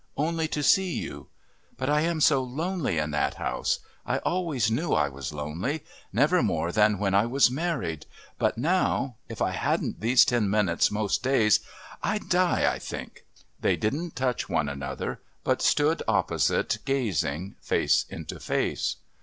Only to see you. But I am so lonely in that house. I always knew I was lonely never more than when I was married but now.... If I hadn't these ten minutes most days I'd die, I think...." They didn't touch one another, but stood opposite gazing, face into face.